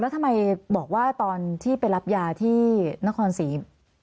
แล้วทำไมบอกว่าตอนที่ไปรับยาที่นครศรี